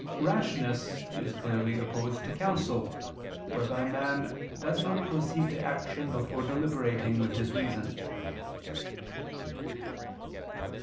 Rashness is clearly opposed to counsel, whereby man does not proceed to action before deliberating with his reason.